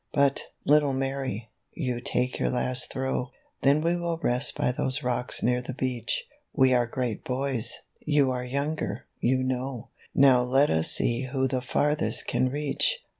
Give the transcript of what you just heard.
"But, little Mary, you take your last throw, Then we will rest by those rocks near the beach. We are great hoys — you are younger, you know — Now let us see who the farthest can reach